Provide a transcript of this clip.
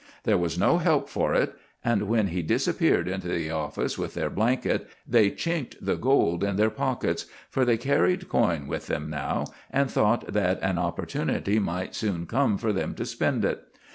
There was no help for it; and when he disappeared into the office with their blanket, they chinked the gold in their pockets; for they carried coin with them now, and thought that an opportunity might soon come for them to spend it.